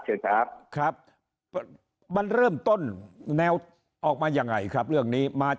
ครับมันเริ่มต้นแนวออกมาอย่างไรครับเรื่องนี้